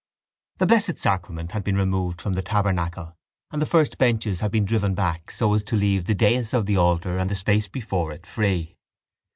The Blessed Sacrament had been removed from the tabernacle and the first benches had been driven back so as to leave the dais of the altar and the space before it free.